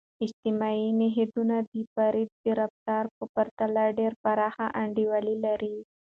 اجتماعي نهادونه د فرد د رفتار په پرتله ډیر پراخ انډول لري.